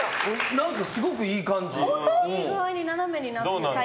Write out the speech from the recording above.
何か、すごくいい感じ！